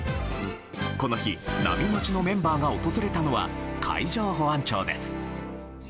この日、ＮＡＭＩＭＡＴＩのメンバーが訪れたのは海上保安庁です。